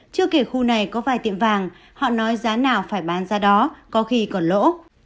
chưa kể khu này có vài tiệm vàng họ nói giá nào phải bán ra đó có khi còn lỗ